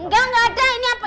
gak gak ada ini apa